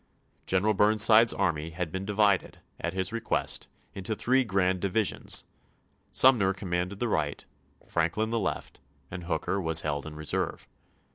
General Burn side's army had been divided, at his request, into three grand divisions : Sumner commanded the right, Franklin the left, and Hooker was held in reserve.